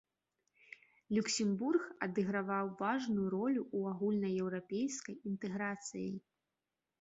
Люксембург адыгрываў важную ролю ў агульнаеўрапейскай інтэграцыі.